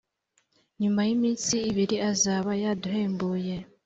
Nyuma y’iminsi ibiri azaba yaduhembuye,